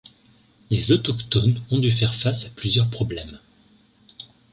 Les autochtones ont dû faire face à plusieurs problèmes.